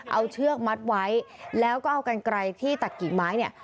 เอาเชือกมัดไว้แล้วก็เอากันไกลที่ตัดกิ่งไม้เนี่ย